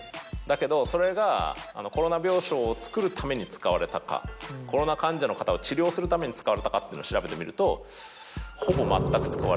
だけどそれがコロナ病床をつくるために使われたかコロナ患者の方を治療するために使われたかっていうのを調べてみると。